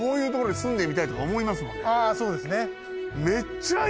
あそうですね。